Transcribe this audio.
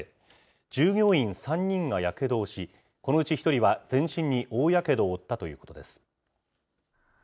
従業員３人がやけどをし、このうち１人は全身に大やけどを負ったということです。